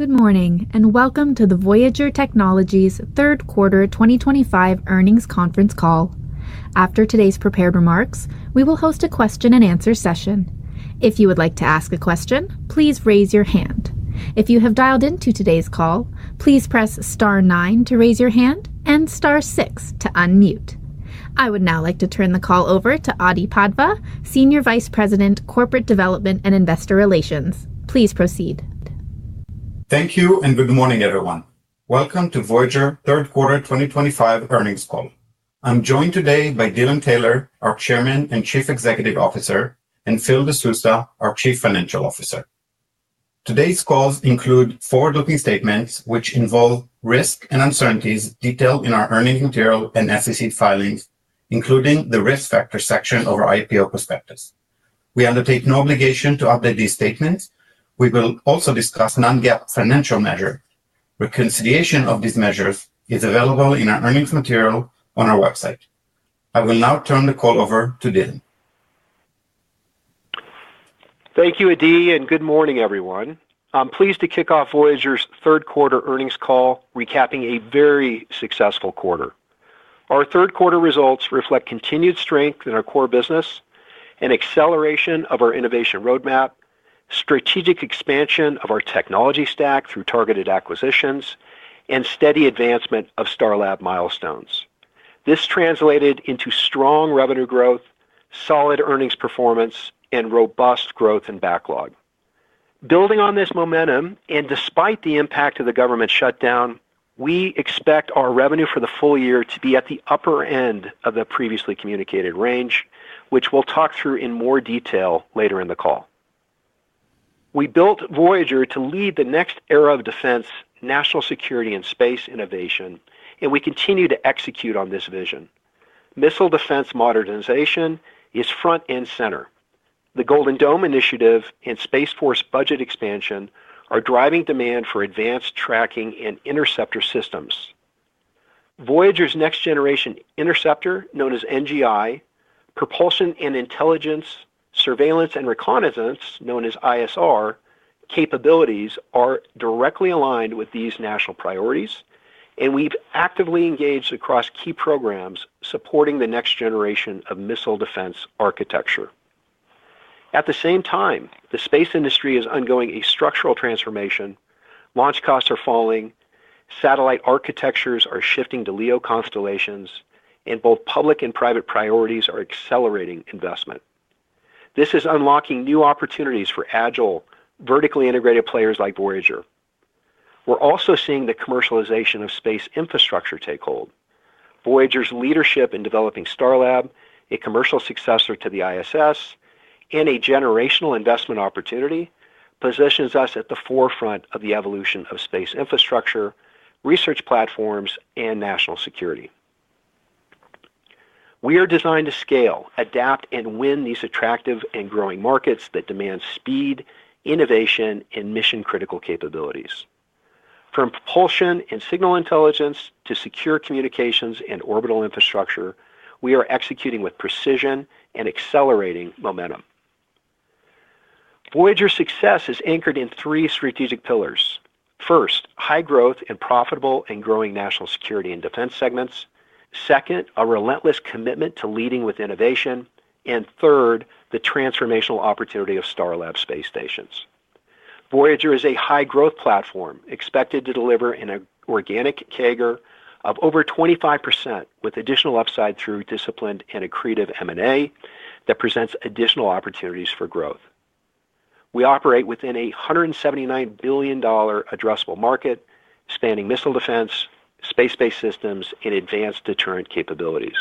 Good morning, and welcome to the Voyager Technologies third quarter 2025 earnings conference call. After today's prepared remarks, we will host a question-and-answer session. If you would like to ask a question, please raise your hand. If you have dialed into today's call, please press star nine to raise your hand and star six to unmute. I would now like to turn the call over to Adi Padva, Senior Vice President, Corporate Development and Investor Relations. Please proceed. Thank you, and good morning, everyone. Welcome to Voyager third quarter 2025 earnings call. I'm joined today by Dylan Taylor, our Chairman and Chief Executive Officer, and Phil De Sousa, our Chief Financial Officer. Today's call includes forward-looking statements, which involve risk and uncertainties detailed in our earnings material and SEC filings, including the risk factor section of our IPO prospectus. We undertake no obligation to update these statements. We will also discuss non-GAAP financial measures. Reconciliation of these measures is available in our earnings material on our website. I will now turn the call over to Dylan. Thank you, Adi, and good morning, everyone. I'm pleased to kick off Voyager's third quarter earnings call, recapping a very successful quarter. Our third quarter results reflect continued strength in our core business. An acceleration of our innovation roadmap, strategic expansion of our technology stack through targeted acquisitions, and steady advancement of Starlab milestones. This translated into strong revenue growth, solid earnings performance, and robust growth in backlog. Building on this momentum, and despite the impact of the government shutdown, we expect our revenue for the full year to be at the upper end of the previously communicated range, which we'll talk through in more detail later in the call. We built Voyager to lead the next era of defense, national security, and space innovation, and we continue to execute on this vision. Missile defense modernization is front and center. The Golden Dome Initiative and Space Force budget expansion are driving demand for advanced tracking and interceptor systems. Voyager's Next Generation Interceptor, known as NGI, propulsion and intelligence, surveillance and reconnaissance, known as ISR capabilities are directly aligned with these national priorities, and we've actively engaged across key programs supporting the next generation of missile defense architecture. At the same time, the space industry is undergoing a structural transformation. Launch costs are falling, satellite architectures are shifting to LEO constellations, and both public and private priorities are accelerating investment. This is unlocking new opportunities for agile, vertically integrated players like Voyager. We're also seeing the commercialization of space infrastructure take hold. Voyager's leadership in developing Starlab, a commercial successor to the ISS, and a generational investment opportunity positions us at the forefront of the evolution of space infrastructure, research platforms, and national security. We are designed to scale, adapt, and win these attractive and growing markets that demand speed, innovation, and mission-critical capabilities. From propulsion and signal intelligence to secure communications and orbital infrastructure, we are executing with precision and accelerating momentum. Voyager's success is anchored in three strategic pillars. First, high growth and profitable and growing national security and defense segments. Second, a relentless commitment to leading with innovation. And third, the transformational opportunity of Starlab space stations. Voyager is a high-growth platform expected to deliver an organic CAGR of over 25% with additional upside through disciplined and accretive M&A that presents additional opportunities for growth. We operate within a $179 billion addressable market spanning missile defense, space-based systems, and advanced deterrent capabilities.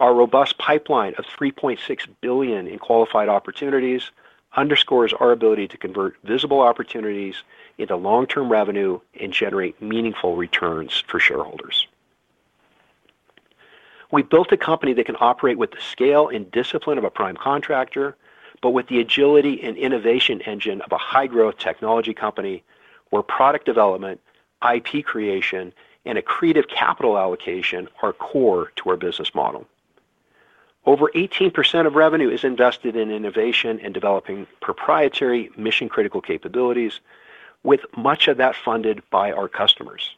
Our robust pipeline of $3.6 billion in qualified opportunities underscores our ability to convert visible opportunities into long-term revenue and generate meaningful returns for shareholders. We built a company that can operate with the scale and discipline of a prime contractor, but with the agility and innovation engine of a high-growth technology company where product development, IP creation, and accretive capital allocation are core to our business model. Over 18% of revenue is invested in innovation and developing proprietary mission-critical capabilities, with much of that funded by our customers.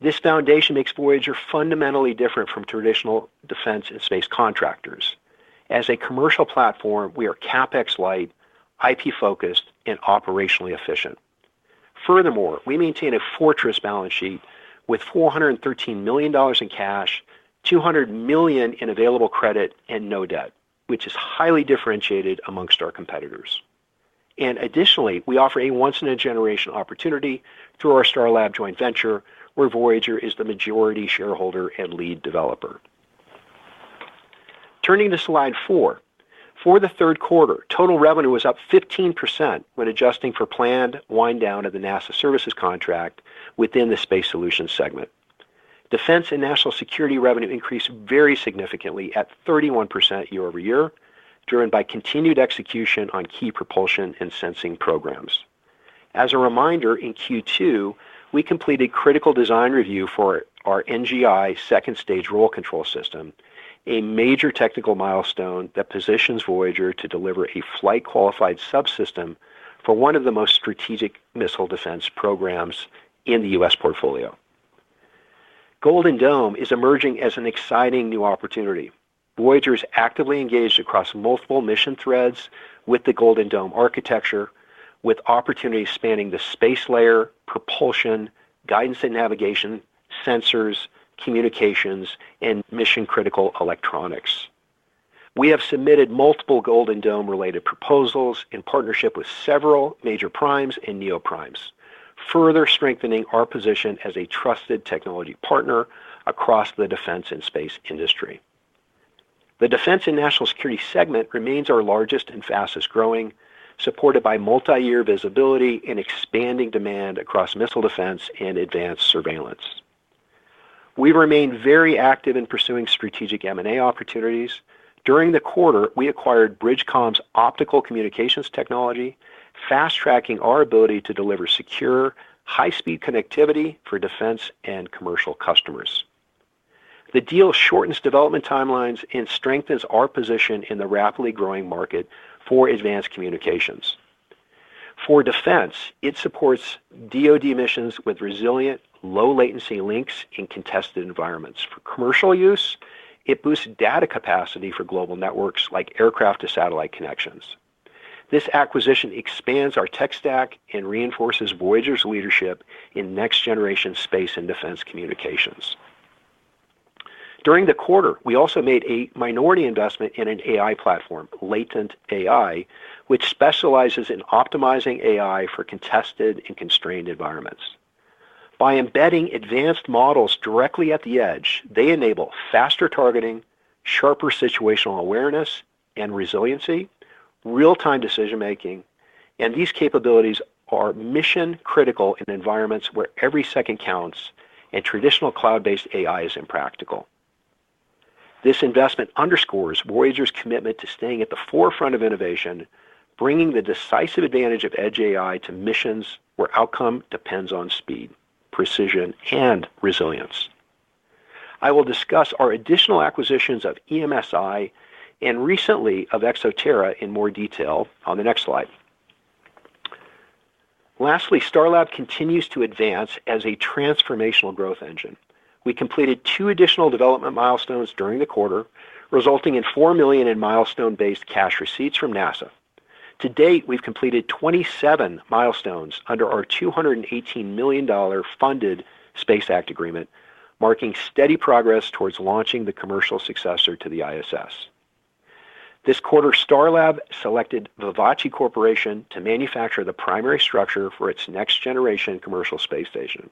This foundation makes Voyager fundamentally different from traditional defense and space contractors. As a commercial platform, we are CapEx-light, IP-focused, and operationally efficient. Furthermore, we maintain a fortress balance sheet with $413 million in cash, $200 million in available credit, and no debt, which is highly differentiated among our competitors. And additionally, we offer a once-in-a-generation opportunity through our Starlab joint venture where Voyager is the majority shareholder and lead developer. Turning to slide four, for the third quarter, total revenue was up 15% when adjusting for planned wind-down of the NASA services contract within the space solutions segment. Defense and national security revenue increased very significantly at 31% year-over-year, driven by continued execution on key propulsion and sensing programs. As a reminder, in Q2, we completed Critical Design Review for our NGI second-stage role control system, a major technical milestone that positions Voyager to deliver a flight-qualified subsystem for one of the most strategic missile defense programs in the U.S. portfolio. Golden Dome is emerging as an exciting new opportunity. Voyager is actively engaged across multiple mission threads with the Golden Dome architecture, with opportunities spanning the space layer, propulsion, guidance and navigation, sensors, communications, and mission-critical electronics. We have submitted multiple Golden Dome-related proposals in partnership with several major primes and neoprimes, further strengthening our position as a trusted technology partner across the defense and space industry. The defense and national security segment remains our largest and fastest growing, supported by multi-year visibility and expanding demand across missile defense and advanced surveillance. We remain very active in pursuing strategic M&A opportunities. During the quarter, we acquired BridgeComm's optical communications technology, fast-tracking our ability to deliver secure, high-speed connectivity for defense and commercial customers. The deal shortens development timelines and strengthens our position in the rapidly growing market for advanced communications. For defense, it supports DoD missions with resilient, low-latency links in contested environments. For commercial use, it boosts data capacity for global networks like aircraft-to-satellite connections. This acquisition expands our tech stack and reinforces Voyager's leadership in next-generation space and defense communications. During the quarter, we also made a minority investment in an AI platform, Latent AI, which specializes in optimizing AI for contested and constrained environments. By embedding advanced models directly at the edge, they enable faster targeting, sharper situational awareness, and resiliency, real-time decision-making, and these capabilities are mission-critical in environments where every second counts and traditional cloud-based AI is impractical. This investment underscores Voyager's commitment to staying at the forefront of innovation, bringing the decisive advantage of Edge AI to missions where outcome depends on speed, precision, and resilience. I will discuss our additional acquisitions of EMSI and recently of ExoTerra in more detail on the next slide. Lastly, Starlab continues to advance as a transformational growth engine. We completed two additional development milestones during the quarter, resulting in $4 million in milestone-based cash receipts from NASA. To date, we've completed 27 milestones under our $218 million funded Space Act agreement, marking steady progress towards launching the commercial successor to the ISS. This quarter, Starlab selected Vivace Corporation to manufacture the primary structure for its next-generation commercial space station.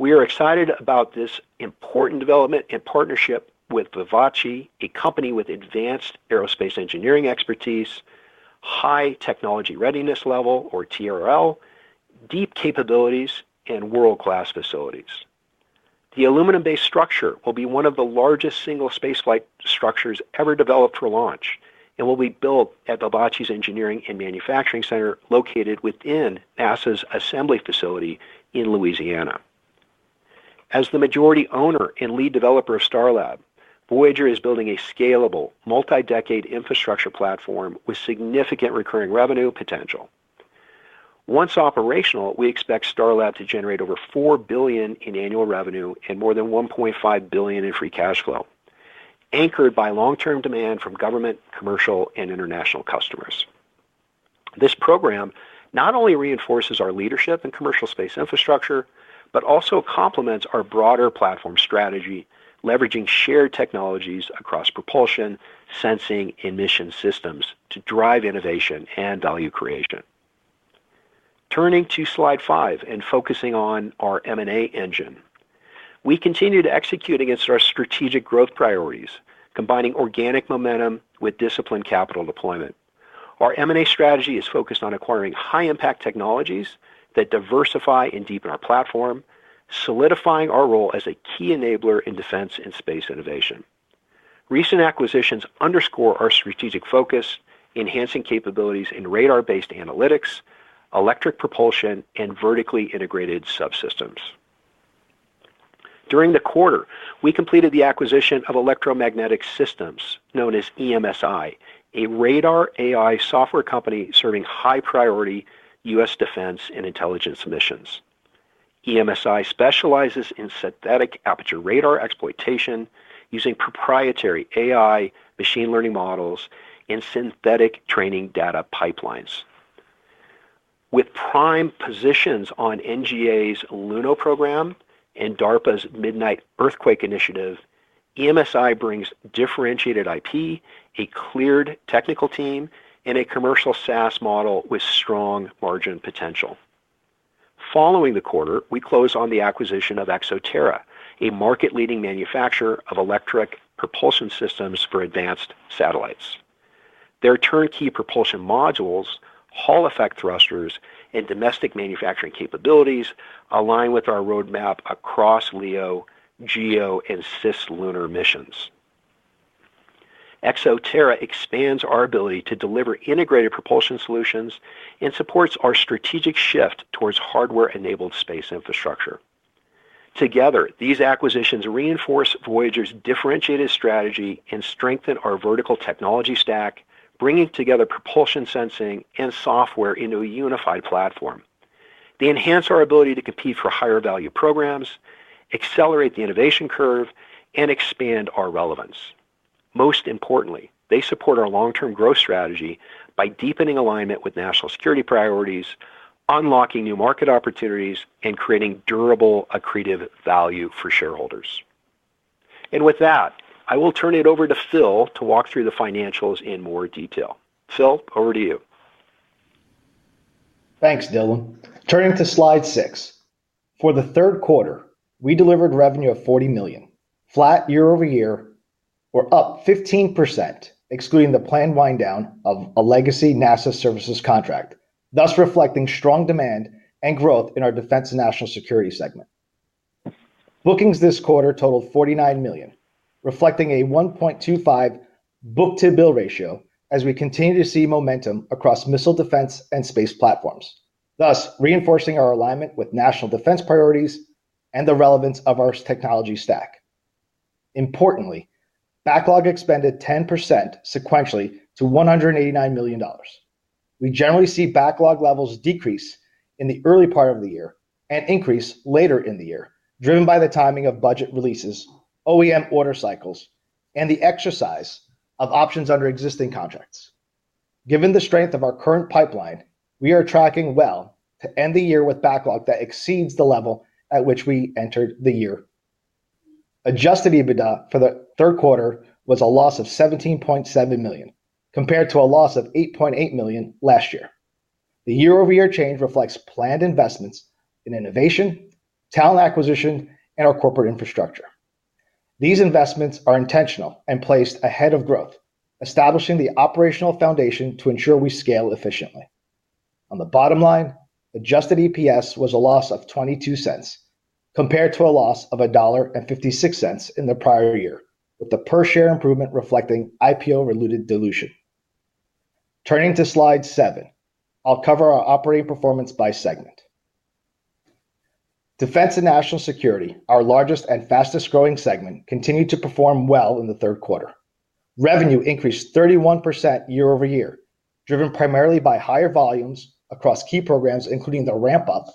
We are excited about this important development in partnership with Vivace, a company with advanced aerospace engineering expertise, high Technology Readiness Level, or TRL, deep capabilities, and world-class facilities. The aluminum-based structure will be one of the largest single spaceflight structures ever developed for launch and will be built at Vivace's engineering and manufacturing center located within NASA's assembly facility in Louisiana. As the majority owner and lead developer of Starlab, Voyager is building a scalable, multi-decade infrastructure platform with significant recurring revenue potential. Once operational, we expect Starlab to generate over $4 billion in annual revenue and more than $1.5 billion in free cash flow, anchored by long-term demand from government, commercial, and international customers. This program not only reinforces our leadership in commercial space infrastructure but also complements our broader platform strategy, leveraging shared technologies across propulsion, sensing, and mission systems to drive innovation and value creation. Turning to slide five and focusing on our M&A engine, we continue to execute against our strategic growth priorities, combining organic momentum with disciplined capital deployment. Our M&A strategy is focused on acquiring high-impact technologies that diversify and deepen our platform, solidifying our role as a key enabler in defense and space innovation. Recent acquisitions underscore our strategic focus, enhancing capabilities in radar-based analytics, electric propulsion, and vertically integrated subsystems. During the quarter, we completed the acquisition of Electromagnetic Systems, known as EMSI, a radar AI software company serving high-priority U.S. defense and intelligence missions. EMSI specializes in synthetic aperture radar exploitation using proprietary AI machine learning models and synthetic training data pipelines. With prime positions on NGA's Luno program and DARPA's Midnight Earthquake initiative, EMSI brings differentiated IP, a cleared technical team, and a commercial SaaS model with strong margin potential. Following the quarter, we closed on the acquisition of ExoTerra, a market-leading manufacturer of electric propulsion systems for advanced satellites. Their turnkey propulsion modules, Hall-Effect Thrusters, and domestic manufacturing capabilities align with our roadmap across LEO, GEO, and Cislunar missions. ExoTerra expands our ability to deliver integrated propulsion solutions and supports our strategic shift towards hardware-enabled space infrastructure. Together, these acquisitions reinforce Voyager's differentiated strategy and strengthen our vertical technology stack, bringing together propulsion sensing and software into a unified platform. They enhance our ability to compete for higher-value programs, accelerate the innovation curve, and expand our relevance. Most importantly, they support our long-term growth strategy by deepening alignment with national security priorities, unlocking new market opportunities, and creating durable, accretive value for shareholders. And with that, I will turn it over to Phil to walk through the financials in more detail. Phil, over to you. Thanks, Dylan. Turning to slide six, for the third quarter, we delivered revenue of $40 million, flat year-over-year, or up 15%, excluding the planned wind-down of a legacy NASA services contract, thus reflecting strong demand and growth in our defense and national security segment. Bookings this quarter totaled $49 million, reflecting a 1.25 book-to-bill ratio as we continue to see momentum across missile defense and space platforms, thus reinforcing our alignment with national defense priorities and the relevance of our technology stack. Importantly, backlog expanded 10% sequentially to $189 million. We generally see backlog levels decrease in the early part of the year and increase later in the year, driven by the timing of budget releases, OEM order cycles, and the exercise of options under existing contracts. Given the strength of our current pipeline, we are tracking well to end the year with backlog that exceeds the level at which we entered the year. Adjusted EBITDA for the third quarter was a loss of $17.7 million compared to a loss of $8.8 million last year. The year-over-year change reflects planned investments in innovation, talent acquisition, and our corporate infrastructure. These investments are intentional and placed ahead of growth, establishing the operational foundation to ensure we scale efficiently. On the bottom line, adjusted EPS was a loss of $0.22 compared to a loss of $1.56 in the prior year, with the per-share improvement reflecting IPO-related dilution. Turning to slide seven, I'll cover our operating performance by segment. Defense and national security, our largest and fastest-growing segment, continued to perform well in the third quarter. Revenue increased 31% year-over-year, driven primarily by higher volumes across key programs, including the ramp-up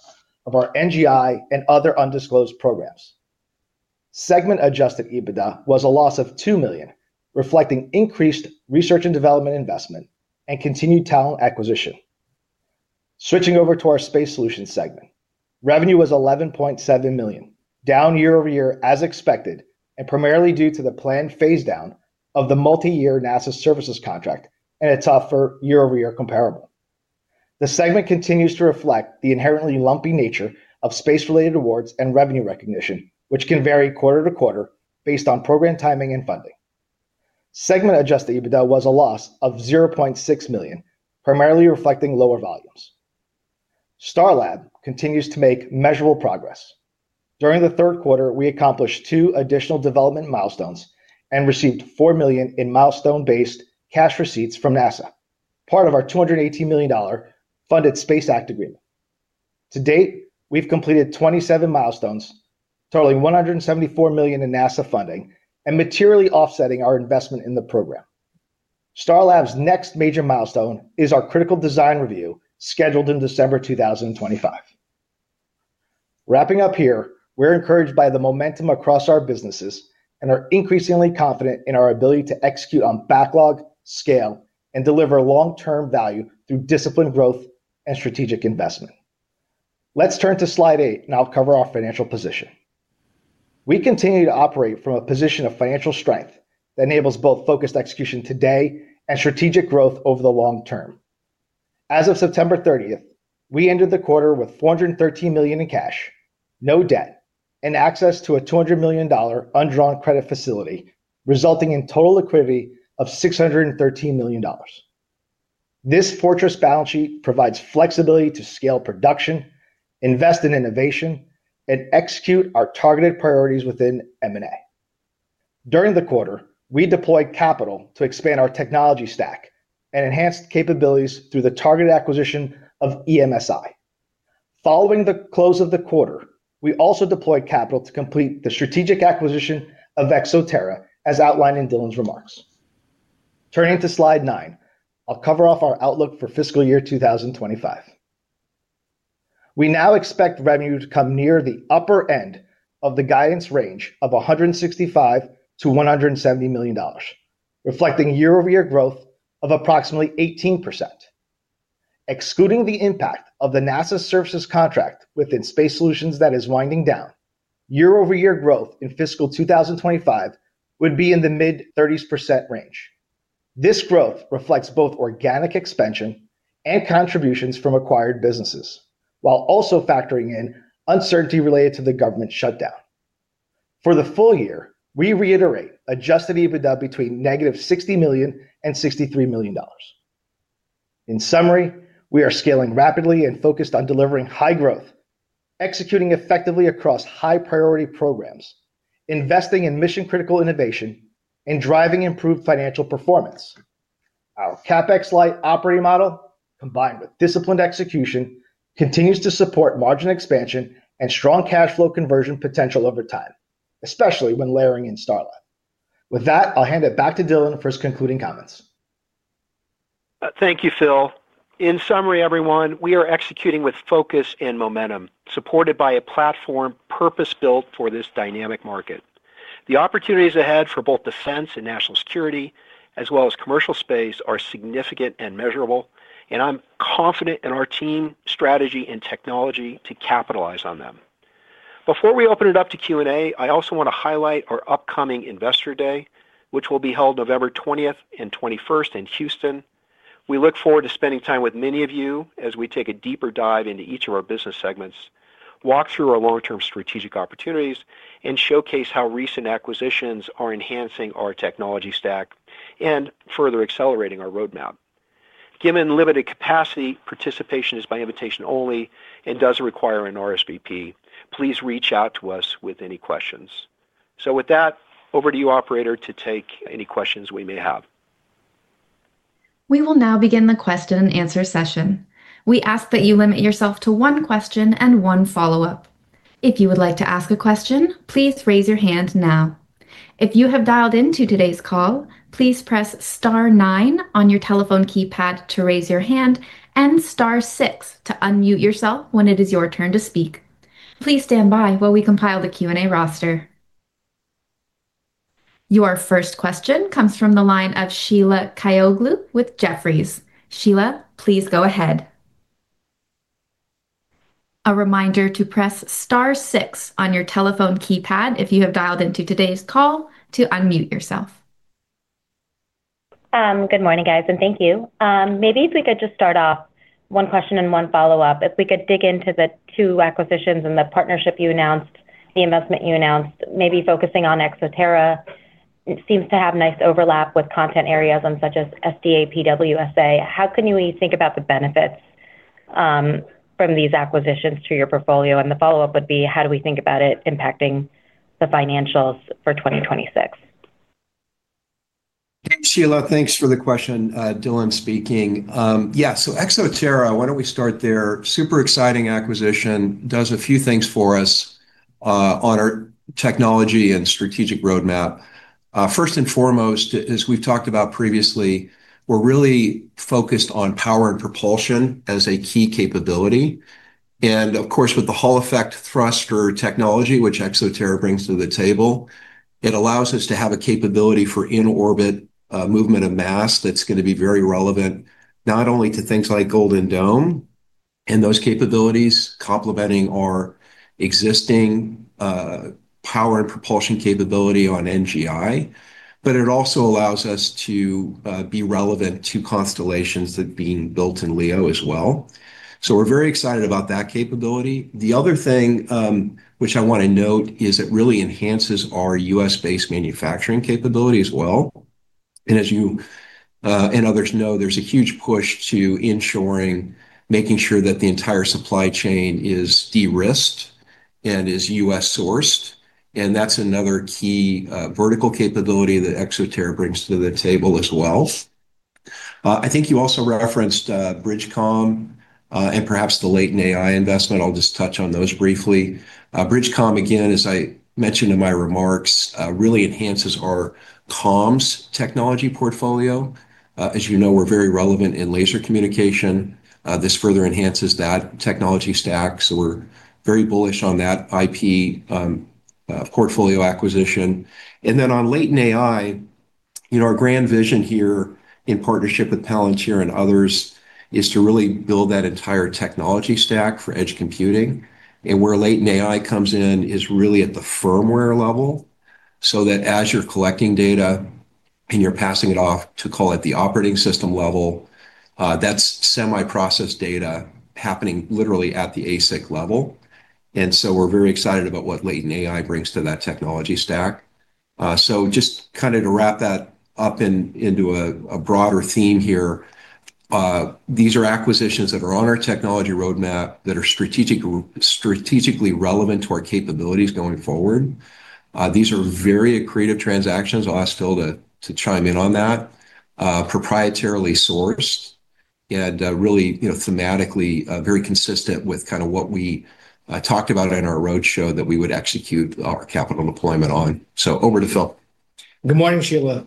of our NGI and other undisclosed programs. Segment-adjusted EBITDA was a loss of $2 million, reflecting increased research and development investment and continued talent acquisition. Switching over to our space solutions segment, revenue was $11.7 million, down year-over-year as expected, and primarily due to the planned phase-down of the multi-year NASA services contract and a tougher year-over-year comparable. The segment continues to reflect the inherently lumpy nature of space-related awards and revenue recognition, which can vary quarter to quarter based on program timing and funding. Segment-adjusted EBITDA was a loss of $0.6 million, primarily reflecting lower volumes. Starlab continues to make measurable progress. During the third quarter, we accomplished two additional development milestones and received $4 million in milestone-based cash receipts from NASA, part of our $218 million funded Space Act agreement. To date, we've completed 27 milestones, totaling $174 million in NASA funding and materially offsetting our investment in the program. Starlab's next major milestone is our Critical Design Review scheduled in December 2025. Wrapping up here, we're encouraged by the momentum across our businesses and are increasingly confident in our ability to execute on backlog, scale, and deliver long-term value through disciplined growth and strategic investment. Let's turn to slide eight, and I'll cover our financial position. We continue to operate from a position of financial strength that enables both focused execution today and strategic growth over the long term. As of September 30th, we ended the quarter with $413 million in cash, no debt, and access to a $200 million undrawn credit facility, resulting in total liquidity of $613 million. This fortress balance sheet provides flexibility to scale production, invest in innovation, and execute our targeted priorities within M&A. During the quarter, we deployed capital to expand our technology stack and enhanced capabilities through the targeted acquisition of EMSI. Following the close of the quarter, we also deployed capital to complete the strategic acquisition of ExoTerra, as outlined in Dylan's remarks. Turning to slide nine, I'll cover off our outlook for fiscal year 2025. We now expect revenue to come near the upper end of the guidance range of $165 million-$170 million, reflecting year-over-year growth of approximately 18%. Excluding the impact of the NASA services contract within space solutions that is winding down, year-over-year growth in fiscal 2025 would be in the mid-30% range. This growth reflects both organic expansion and contributions from acquired businesses, while also factoring in uncertainty related to the government shutdown. For the full year, we reiterate adjusted EBITDA between negative $60 million and $63 million. In summary, we are scaling rapidly and focused on delivering high growth, executing effectively across high-priority programs, investing in mission-critical innovation, and driving improved financial performance. Our CapEx-light operating model, combined with disciplined execution, continues to support margin expansion and strong cash flow conversion potential over time, especially when layering in StarLab. With that, I'll hand it back to Dylan for his concluding comments. Thank you, Phil. In summary, everyone, we are executing with focus and momentum, supported by a platform purpose-built for this dynamic market. The opportunities ahead for both defense and national security, as well as commercial space, are significant and measurable, and I'm confident in our team, strategy, and technology to capitalize on them. Before we open it up to Q&A, I also want to highlight our upcoming Investor Day, which will be held November 20th and 21st in Houston. We look forward to spending time with many of you as we take a deeper dive into each of our business segments, walk through our long-term strategic opportunities, and showcase how recent acquisitions are enhancing our technology stack and further accelerating our roadmap. Given limited capacity, participation is by invitation only and doesn't require an RSVP. Please reach out to us with any questions. So with that, over to you, operator, to take any questions we may have. We will now begin the question-and-answer session. We ask that you limit yourself to one question and one follow-up. If you would like to ask a question, please raise your hand now. If you have dialed into today's call, please press star nine on your telephone keypad to raise your hand and star six to unmute yourself when it is your turn to speak. Please stand by while we compile the Q&A roster. Your first question comes from the line of Sheila Kahyaoglu with Jefferies. Sheila, please go ahead. A reminder to press star six on your telephone keypad if you have dialed into today's call to unmute yourself. Good morning, guys, and thank you. Maybe if we could just start off one question and one follow-up. If we could dig into the two acquisitions and the partnership you announced, the investment you announced, maybe focusing on ExoTerra, it seems to have nice overlap with content areas such as SDA PWSA. How can we think about the benefits from these acquisitions to your portfolio? And the follow-up would be, how do we think about it impacting the financials for 2026? Thanks, Sheila. Thanks for the question. Dylan speaking. Yeah, so ExoTerra, why don't we start there? Super exciting acquisition, does a few things for us on our technology and strategic roadmap. First and foremost, as we've talked about previously, we're really focused on power and propulsion as a key capability. And of course, with the Hall-Effect Thruster technology, which ExoTerra brings to the table, it allows us to have a capability for in-orbit movement of mass that's going to be very relevant not only to things like Golden Dome and those capabilities, complementing our existing power and propulsion capability on NGI, but it also allows us to be relevant to constellations that are being built in LEO as well. So we're very excited about that capability. The other thing which I want to note is it really enhances our U.S.-based manufacturing capability as well. And as you and others know, there's a huge push to ensuring, making sure that the entire supply chain is de-risked and is U.S.-sourced. And that's another key vertical capability that ExoTerra brings to the table as well. I think you also referenced BridgeComm and perhaps the Latent AI investment. I'll just touch on those briefly. BridgeComm, again, as I mentioned in my remarks, really enhances our comms technology portfolio. As you know, we're very relevant in laser communication. This further enhances that technology stack. So we're very bullish on that IP portfolio acquisition. And then on Latent AI, our grand vision here in partnership with Palantir and others is to really build that entire technology stack for edge computing. And where Latent AI comes in is really at the firmware level so that as you're collecting data and you're passing it off to call it the operating system level, that's semi-processed data happening literally at the ASIC level. And so we're very excited about what Latent AI brings to that technology stack. So just kind of to wrap that up into a broader theme here. These are acquisitions that are on our technology roadmap that are strategically relevant to our capabilities going forward. These are very creative transactions. I'll ask Phil to chime in on that. Proprietarily sourced and really thematically very consistent with kind of what we talked about in our roadshow that we would execute our capital deployment on. So over to Phil. Good morning, Sheila.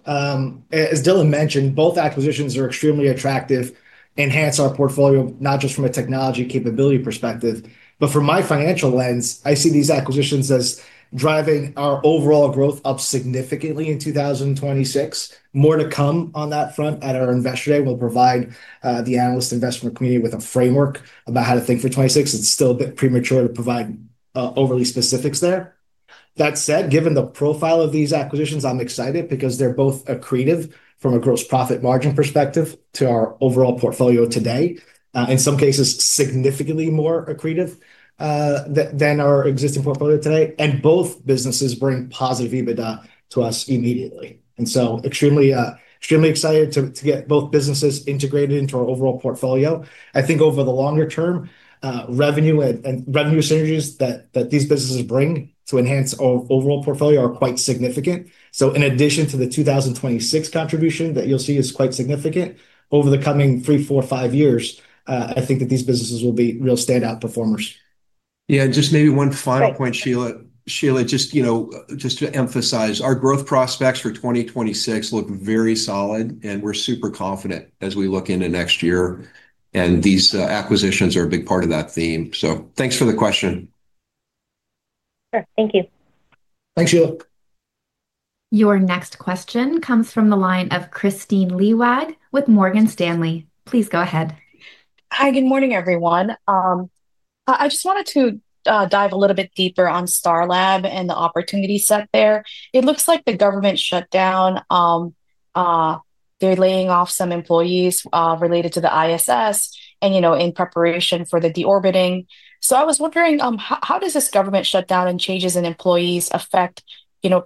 As Dylan mentioned, both acquisitions are extremely attractive, enhance our portfolio not just from a technology capability perspective, but from my financial lens, I see these acquisitions as driving our overall growth up significantly in 2026. More to come on that front at our investor day. We'll provide the analyst investment community with a framework about how to think for 2026. It's still a bit premature to provide overly specifics there. That said, given the profile of these acquisitions, I'm excited because they're both accretive from a gross profit margin perspective to our overall portfolio today, in some cases significantly more accretive than our existing portfolio today, and both businesses bring positive EBITDA to us immediately. And so extremely excited to get both businesses integrated into our overall portfolio. I think over the longer term, revenue and revenue synergies that these businesses bring to enhance our overall portfolio are quite significant. So in addition to the 2026 contribution that you'll see is quite significant, over the coming three, four, five years, I think that these businesses will be real standout performers. Yeah, just maybe one final point, Sheila. Sheila, just to emphasize, our growth prospects for 2026 look very solid, and we're super confident as we look into next year. And these acquisitions are a big part of that theme. So thanks for the question. Sure. Thank you. Thanks, Sheila. Your next question comes from the line of Kristine Liwag with Morgan Stanley. Please go ahead. Hi, good morning, everyone. I just wanted to dive a little bit deeper on Starlab and the opportunity set there. It looks like the government shutdown. They're laying off some employees related to the ISS and in preparation for the deorbiting. So I was wondering, how does this government shutdown and changes in employees affect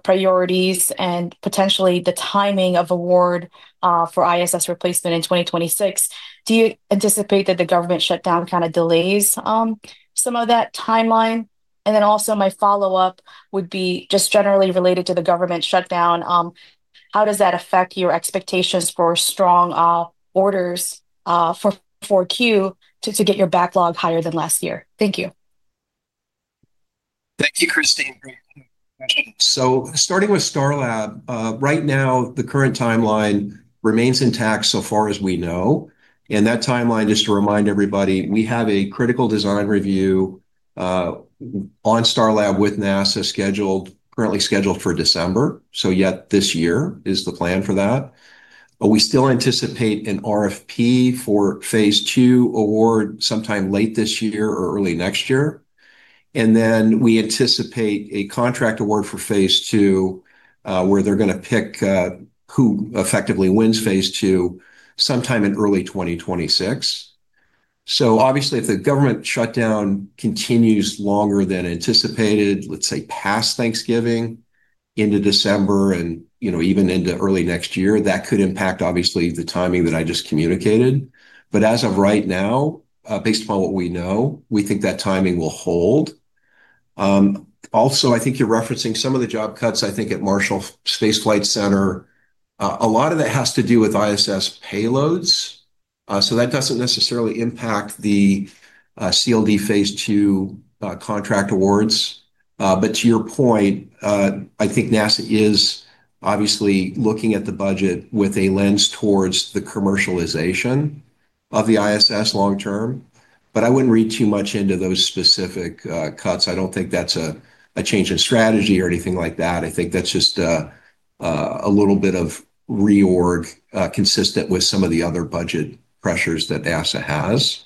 priorities and potentially the timing of award for ISS replacement in 2026? Do you anticipate that the government shutdown kind of delays some of that timeline? And then also my follow-up would be just generally related to the government shutdown. How does that affect your expectations for strong orders for 4Q to get your backlog higher than last year? Thank you. Thank you, Kristine. So starting with Starlab, right now, the current timeline remains intact so far as we know. And that timeline, just to remind everybody, we have a Critical Design Review on Starlab with NASA currently scheduled for December, so yet this year is the plan for that. But we still anticipate an RFP for Phase II award sometime late this year or early next year. And then we anticipate a Contract Award for Phase II where they're going to pick who effectively wins Phase II sometime in early 2026. So obviously, if the government shutdown continues longer than anticipated, let's say past Thanksgiving, into December, and even into early next year, that could impact, obviously, the timing that I just communicated. But as of right now, based upon what we know, we think that timing will hold. Also, I think you're referencing some of the job cuts, I think, at Marshall Space Flight Center. A lot of that has to do with ISS payloads. So that doesn't necessarily impact the CLD Phase II Contract Awards. But to your point, I think NASA is obviously looking at the budget with a lens towards the commercialization of the ISS long term. But I wouldn't read too much into those specific cuts. I don't think that's a change in strategy or anything like that. I think that's just a little bit of reorg consistent with some of the other budget pressures that NASA has.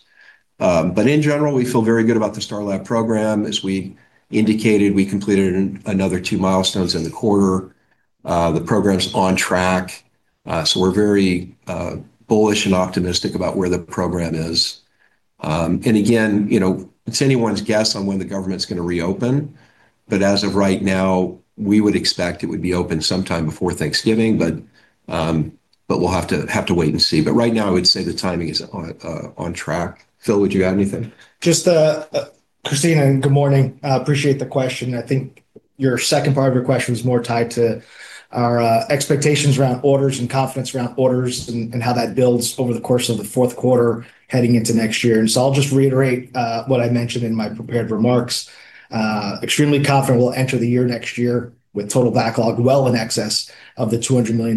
But in general, we feel very good about the Starlab program. As we indicated, we completed another two milestones in the quarter. The program's on track. So we're very bullish and optimistic about where the program is. And again, it's anyone's guess on when the government's going to reopen. But as of right now, we would expect it would be open sometime before Thanksgiving, but we'll have to wait and see. But right now, I would say the timing is on track. Phil, would you add anything? Just, Kristine, and good morning. Appreciate the question. I think your second part of your question was more tied to our expectations around orders and confidence around orders and how that builds over the course of the fourth quarter heading into next year. And so I'll just reiterate what I mentioned in my prepared remarks. Extremely confident we'll enter the year next year with total backlog well in excess of the $200 million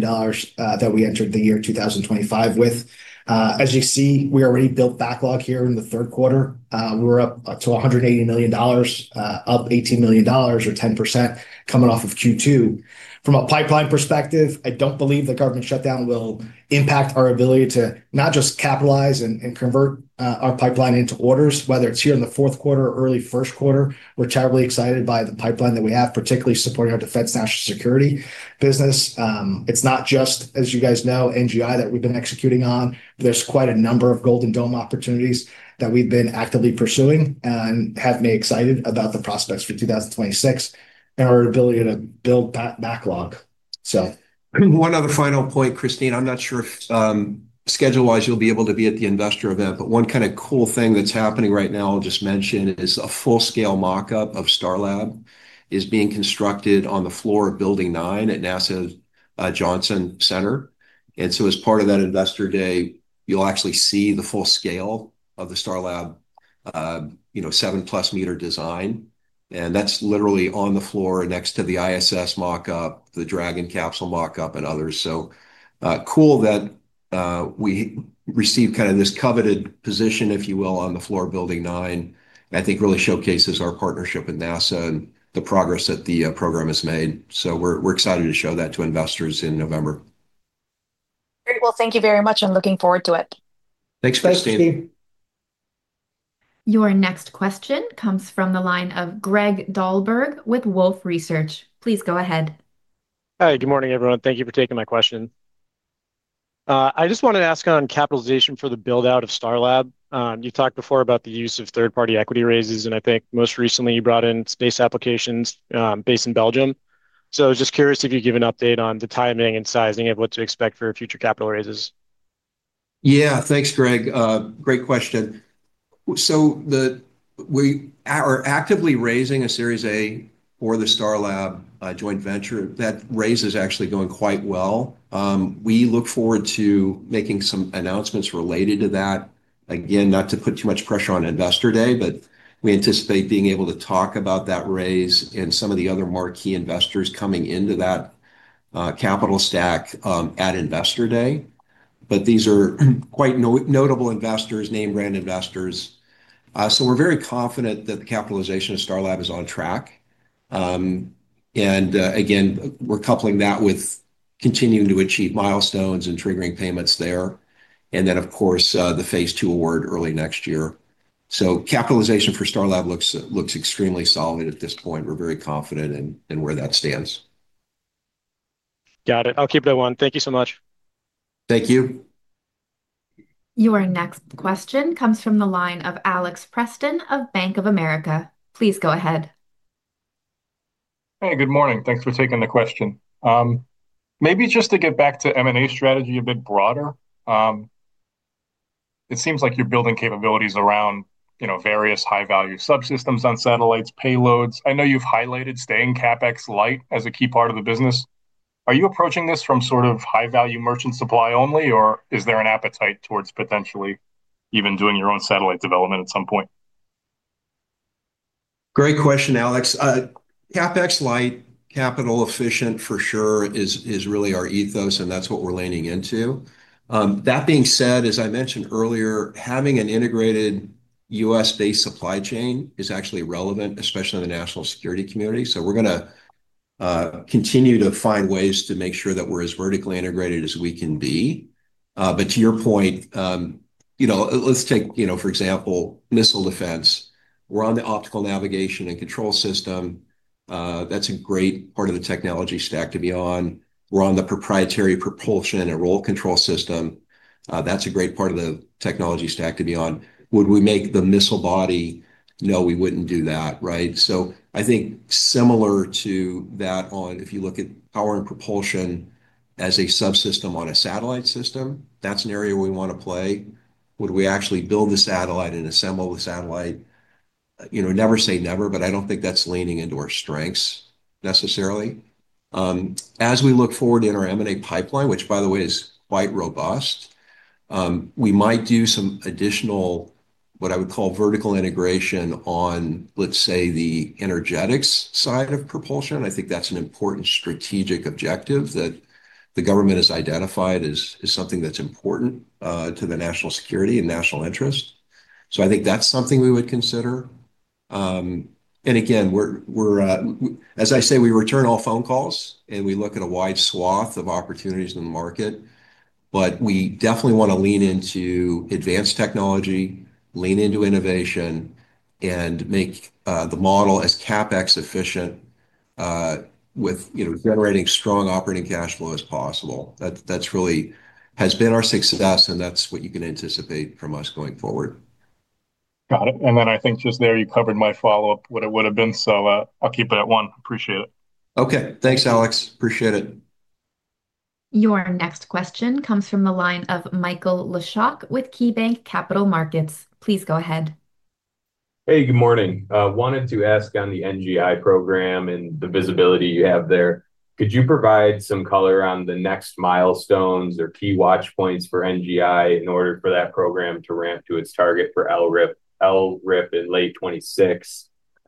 that we entered the year 2025 with. As you see, we already built backlog here in the third quarter. We're up to $180 million, up $18 million or 10% coming off of Q2. From a pipeline perspective, I don't believe the government shutdown will impact our ability to not just capitalize and convert our pipeline into orders, whether it's here in the fourth quarter or early first quarter. We're terribly excited by the pipeline that we have, particularly supporting our defense national security business. It's not just, as you guys know, NGI that we've been executing on. There's quite a number of Golden Dome opportunities that we've been actively pursuing and have me excited about the prospects for 2026 and our ability to build that backlog. So. One other final point, Kristine. I'm not sure if schedule-wise you'll be able to be at the investor event, but one kind of cool thing that's happening right now, I'll just mention, is a full-scale mockup of Starlab is being constructed on the floor of Building 9 at NASA Johnson Center. And so as part of that investor day, you'll actually see the full scale of the Starlab. Seven-plus-meter design. And that's literally on the floor next to the ISS mockup, the Dragon capsule mockup, and others. So cool that. We receive kind of this coveted position, if you will, on the floor of Building 9. I think really showcases our partnership with NASA and the progress that the program has made. So we're excited to show that to investors in November. Great. Well, thank you very much and looking forward to it. Thanks, Kristine. Your next question comes from the line of Greg Dahlberg with Wolfe Research. Please go ahead. Hi, good morning, everyone. Thank you for taking my question. I just wanted to ask on capitalization for the build-out of Starlab. You talked before about the use of third-party equity raises, and I think most recently you brought in Space Applications based in Belgium. So I was just curious if you could give an update on the timing and sizing of what to expect for future capital raises. Yeah, thanks, Greg. Great question. So. We are actively raising a Series A for the Starlab joint venture. That raise is actually going quite well. We look forward to making some announcements related to that. Again, not to put too much pressure on investor day, but we anticipate being able to talk about that raise and some of the other marquee investors coming into that. Capital stack at investor day. But these are quite notable investors, name-brand investors. So we're very confident that the capitalization of Starlab is on track. And again, we're coupling that with continuing to achieve milestones and triggering payments there. And then, of course, the Phase II award early next year. So capitalization for Starlab looks extremely solid at this point. We're very confident in where that stands. Got it. I'll keep that one. Thank you so much. Thank you. Your next question comes from the line of Alex Preston of Bank of America. Please go ahead. Hey, good morning. Thanks for taking the question. Maybe just to get back to M&A strategy a bit broader. It seems like you're building capabilities around. Various high-value subsystems on satellites, payloads. I know you've highlighted staying CapEx-light as a key part of the business. Are you approaching this from sort of high-value merchant supply only, or is there an appetite towards potentially even doing your own satellite development at some point? Great question, Alex. CapEx-light, capital efficient for sure, is really our ethos, and that's what we're leaning into. That being said, as I mentioned earlier, having an integrated U.S.-based supply chain is actually relevant, especially in the national security community. So we're going to. Continue to find ways to make sure that we're as vertically integrated as we can be. But to your point. Let's take, for example, missile defense. We're on the optical navigation and control system. That's a great part of the technology stack to be on. We're on the proprietary propulsion and role control system. Would we make the missile body? No, we wouldn't do that, right? So I think similar to that on, if you look at power and propulsion as a subsystem on a satellite system, that's an area we want to play. Would we actually build the satellite and assemble the satellite? Never say never, but I don't think that's leaning into our strengths necessarily. As we look forward in our M&A pipeline, which, by the way, is quite robust. We might do some additional what I would call vertical integration on, let's say, the energetics side of propulsion. I think that's an important strategic objective that the government has identified as something that's important to the national security and national interest. So I think that's something we would consider. And again, as I say, we return all phone calls and we look at a wide swath of opportunities in the market. But we definitely want to lean into advanced technology, lean into innovation, and make the model as CapEx efficient with generating strong operating cash flow as possible. That's really has been our success, and that's what you can anticipate from us going forward. Got it. And then I think just there you covered my follow-up, what it would have been. So I'll keep it at one. Appreciate it. Okay. Thanks, Alex. Appreciate it. Your next question comes from the line of Michael Leshock with KeyBanc Capital Markets. Please go ahead. Hey, good morning. Wanted to ask on the NGI program and the visibility you have there. Could you provide some color on the next milestones or key watch points for NGI in order for that program to ramp to its target for LRIP in late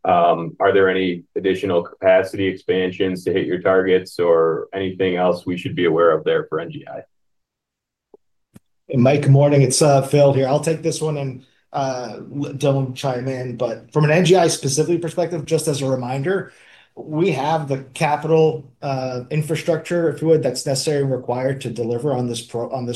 2026? Are there any additional capacity expansions to hit your targets or anything else we should be aware of there for NGI? Mike, good morning. It's Phil here. I'll take this one and don't chime in. But from an NGI-specific perspective, just as a reminder, we have the capital infrastructure, if you would, that's necessary and required to deliver on this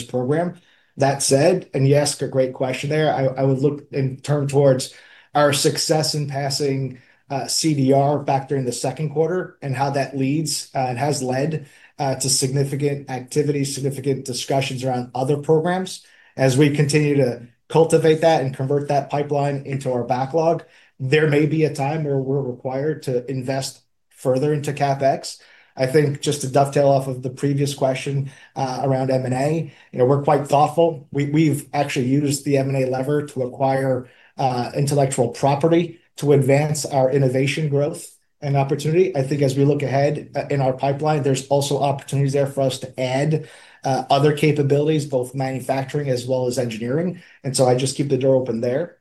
program. That said, and you asked a great question there, I would look and turn towards our success in passing CDR back during the second quarter and how that leads and has led to significant activity, significant discussions around other programs. As we continue to cultivate that and convert that pipeline into our backlog, there may be a time where we're required to invest further into CapEx. I think just to dovetail off of the previous question around M&A, we're quite thoughtful. We've actually used the M&A lever to acquire intellectual property to advance our innovation growth and opportunity. I think as we look ahead in our pipeline, there's also opportunities there for us to add. Other capabilities, both manufacturing as well as engineering. And so I just keep the door open there.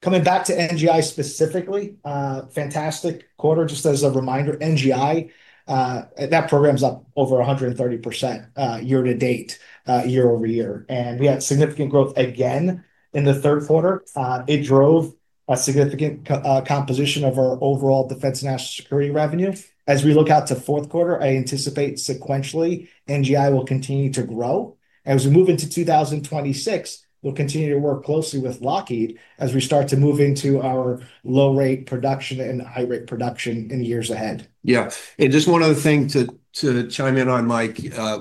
Coming back to NGI specifically, fantastic quarter. Just as a reminder, NGI. That program's up over 130% year to date, year-over-year. And we had significant growth again in the third quarter. It drove a significant composition of our overall defense national security revenue. As we look out to fourth quarter, I anticipate sequentially NGI will continue to grow. As we move into 2026, we'll continue to work closely with Lockheed as we start to move into our low-rate production and high-rate production in years ahead. Yeah. And just one other thing to chime in on, Mike.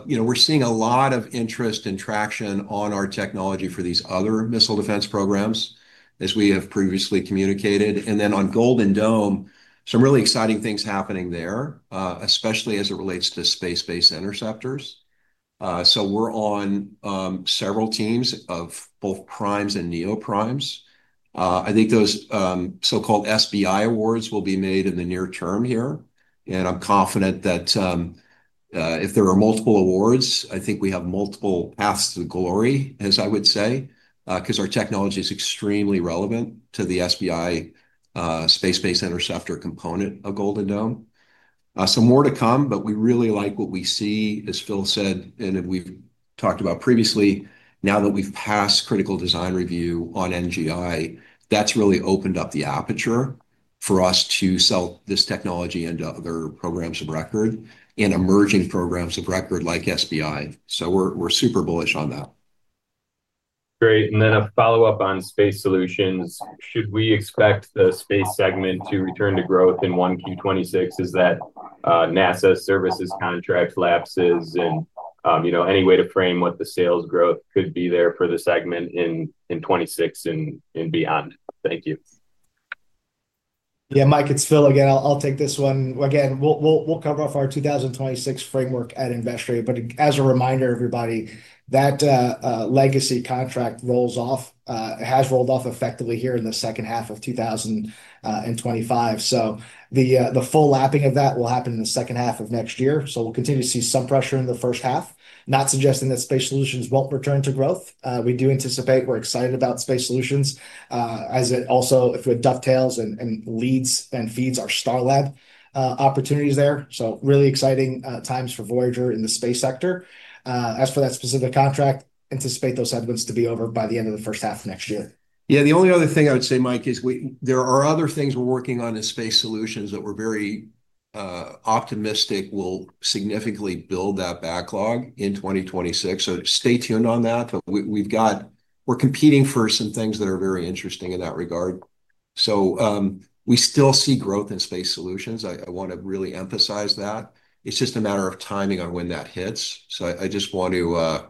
We're seeing a lot of interest and traction on our technology for these other missile defense programs, as we have previously communicated. And then on Golden Dome, some really exciting things happening there, especially as it relates to space-based interceptors. So we're on. Several teams of both primes and neoprimes. I think those so-called SBI awards will be made in the near term here. And I'm confident that. If there are multiple awards, I think we have multiple paths to glory, as I would say, because our technology is extremely relevant to the SBI. Space-based interceptor component of Golden Dome. Some more to come, but we really like what we see, as Phil said, and we've talked about previously, now that we've passed Critical Design Review on NGI, that's really opened up the aperture for us to sell this technology into other programs of record and emerging programs of record like SBI. So we're super bullish on that. Great. And then a follow-up on space solutions. Should we expect the space segment to return to growth in 1Q26? Is that. NASA services contract lapses and any way to frame what the sales growth could be there for the segment in '2026 and beyond? Thank you. Yeah, Mike, it's Phil again. I'll take this one. Again, we'll cover off our 2026 framework at investor day. But as a reminder, everybody, that. Legacy contract has rolled off effectively here in the second half of 2025. So the full lapping of that will happen in the second half of next year. So we'll continue to see some pressure in the first half. Not suggesting that space solutions won't return to growth. We do anticipate we're excited about space solutions. As it also, if it dovetails and leads and feeds our Starlab opportunities there. So really exciting times for Voyager in the space sector. As for that specific contract, anticipate those headwinds to be over by the end of the first half of next year. Yeah, the only other thing I would say, Mike, is there are other things we're working on in space solutions that we're very. Optimistic will significantly build that backlog in 2026. So stay tuned on that. We're competing for some things that are very interesting in that regard. So we still see growth in space solutions. I want to really emphasize that. It's just a matter of timing on when that hits. So I just want to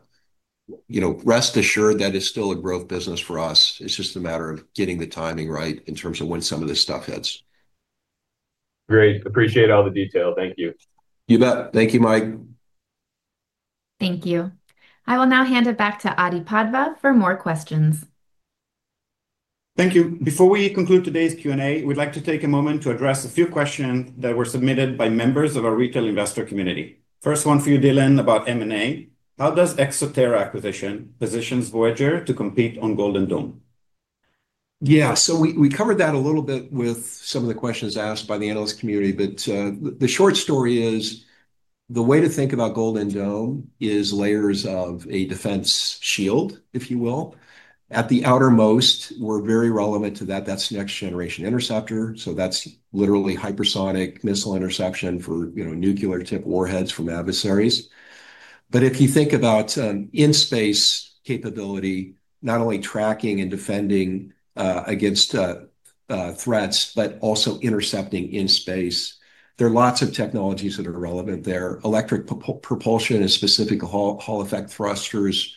rest assured that it's still a growth business for us. It's just a matter of getting the timing right in terms of when some of this stuff hits. Great. Appreciate all the detail. Thank you. You bet. Thank you, Mike. Thank you. I will now hand it back to Adi Padva for more questions. Thank you. Before we conclude today's Q&A, we'd like to take a moment to address a few questions that were submitted by members of our retail investor community. First one for you, Dylan, about M&A. How does ExoTerra acquisition position Voyager to compete on Golden Dome? Yeah, so we covered that a little bit with some of the questions asked by the analyst community. But the short story is the way to think about Golden Dome is layers of a defense shield, if you will. At the outermost, we're very relevant to that. That's Next Generation Interceptor. So that's literally hypersonic missile interception for nuclear-tipped warheads from adversaries. But if you think about in-space capability, not only tracking and defending against threats, but also intercepting in space, there are lots of technologies that are relevant there. Electric propulsion and specific Hall-Effect Thrusters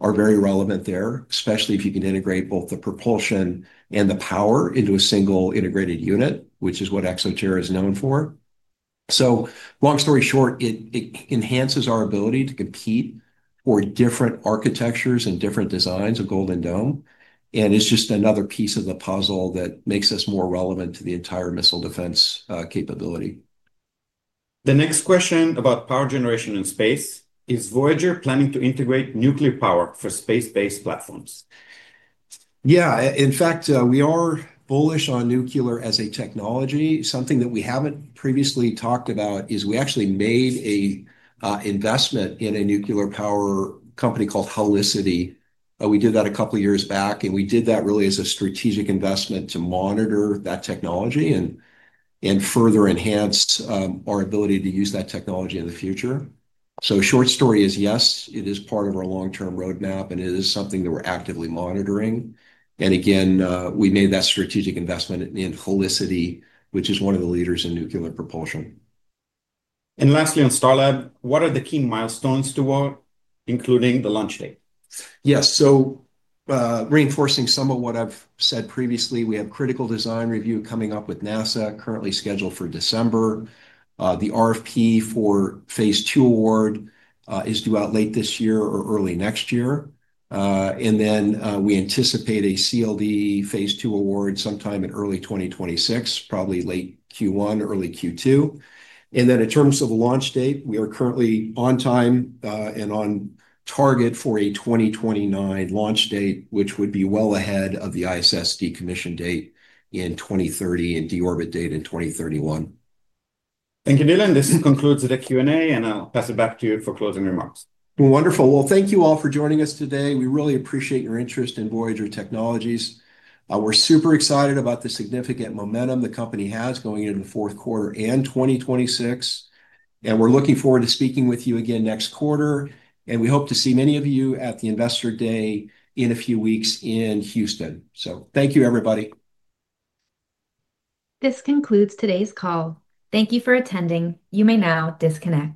are very relevant there, especially if you can integrate both the propulsion and the power into a single integrated unit, which is what ExoTerra is known for. So long story short, it enhances our ability to compete for different architectures and different designs of Golden Dome. And it's just another piece of the puzzle that makes us more relevant to the entire missile defense capability. The next question about power generation in space is Voyager planning to integrate nuclear power for space-based platforms? Yeah. In fact, we are bullish on nuclear as a technology. Something that we haven't previously talked about is we actually made an investment in a nuclear power company called Helicity. We did that a couple of years back, and we did that really as a strategic investment to monitor that technology and further enhance our ability to use that technology in the future. So short story is yes, it is part of our long-term roadmap, and it is something that we're actively monitoring. And again, we made that strategic investment in Helicity, which is one of the leaders in nuclear propulsion. And lastly, on Starlab, what are the key milestones toward, including the launch date? Yes. So reinforcing some of what I've said previously, we have Critical Design Review coming up with NASA, currently scheduled for December. The RFP for Phase II award is due out late this year or early next year. And then we anticipate a CLD Phase II award sometime in early 2026, probably late Q1, early Q2. And then in terms of the launch date, we are currently on time and on target for a 2029 launch date, which would be well ahead of the ISS decommission date in 2030 and deorbit date in 2031. Thank you, Dylan. This concludes the Q&A, and I'll pass it back to you for closing remarks. Wonderful. Well, thank you all for joining us today. We really appreciate your interest in Voyager Technologies. We're super excited about the significant momentum the company has going into the fourth quarter and 2026. And we're looking forward to speaking with you again next quarter. And we hope to see many of you at the Investor Day in a few weeks in Houston. So thank you, everybody. This concludes today's call. Thank you for attending. You may now disconnect.